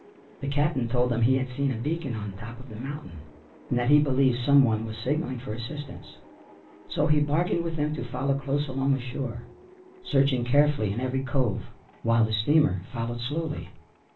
The "cap'n" told them he had seen a beacon on the top of the mountain, and that he believed some one was signalling for assistance. So he bargained with them to follow close along the shore, searching carefully in every cove, while the steamer followed slowly.